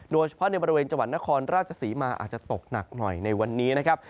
โดยเฉพาะในบริเวณจังหวัดนครราชศรีมาอาจจะตกหนักหน่อยในวันนี้นะครับ